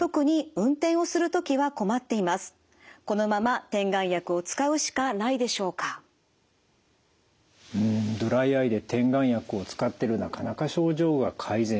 うんドライアイで点眼薬を使ってるなかなか症状が改善しない。